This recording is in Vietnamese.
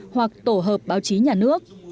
hoặc tổ hợp báo chí nhà nước